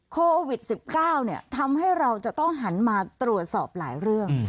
โควิด๑๙ทำให้เราจะต้องหันมาตรวจสอบหลายเรื่อง